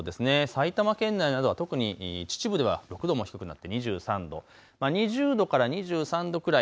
埼玉県内などは特に秩父では６度も低くなって２３度、２０度から２３度くらい。